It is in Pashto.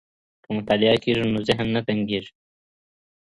که مطالعه کېږي نو ذهن نه تنګېږي.